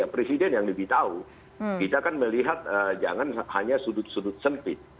presiden yang lebih tahu kita kan melihat jangan hanya sudut sudut sempit